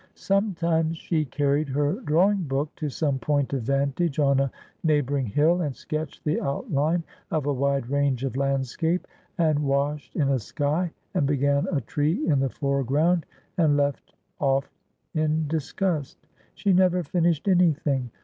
Sometimes she carried her drawing book to some point of vantage on a neigh bouring hill, and sketched the outline of a wide range of landscape, and washed in a sky, and began a tree in the fore ground, and left off in disgust. She never finished anything.